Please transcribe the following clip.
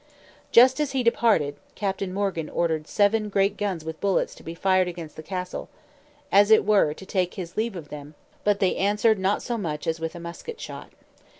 Just as he departed, Captain Morgan ordered seven great guns with bullets to be fired against the castle, as it were to take his leave of them, but they answered not so much as with a musket shot.